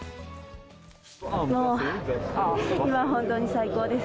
もう今、本当に最高です。